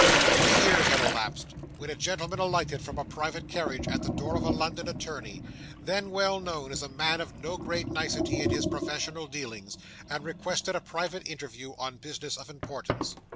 'Three years had elapsed, when a gentleman alighted from a private carriage at the door of a London attorney, then well known as a man of no great nicety in his professional dealings, and requested a private interview on business of importance.